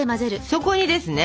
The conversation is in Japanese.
そこにですね